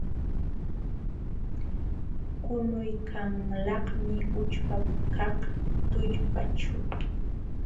Qunuykanlaqmi ućhpakaq tullpaaćhu.